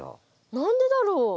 何でだろう？